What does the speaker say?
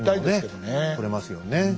とれますよね。